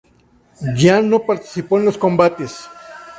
Yan no participó en los combates.